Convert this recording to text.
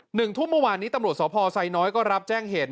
หนึ่งทุ่มเมื่อวานนี้ตำรวจสพไซน้อยก็รับแจ้งเหตุ